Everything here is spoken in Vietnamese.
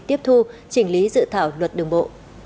tiếp thu chỉnh lý dự thảo luật đường bộ